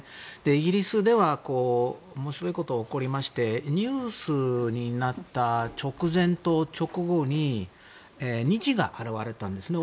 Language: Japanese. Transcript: イギリスでは面白いことが起こりましてニュースになった直前と直後に虹が現れたんですね。